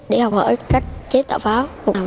để học hỏi cách chế tạo pháo